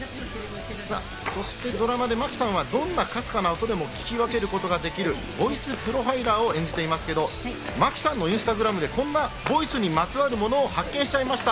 そしてドラマで真木さんは、どんなかすかな音でも聞き分けることができるボイスプロファイラーを演じていますけど、真木さんのインスタグラムでこんな『ボイス』にまつわるものを発見しちゃいました。